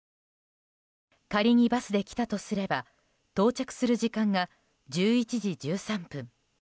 仮に、バスで来たとすれば到着する時間が１１時１３分。